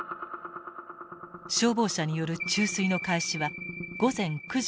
消防車による注水の開始は午前９時２５分。